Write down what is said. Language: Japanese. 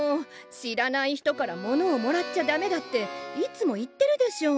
知らない人から物をもらっちゃダメだっていつも言ってるでしょ。